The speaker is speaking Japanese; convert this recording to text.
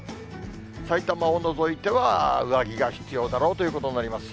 さいたまを除いては、上着が必要だろうということになります。